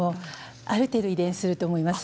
ある程度、遺伝すると思います。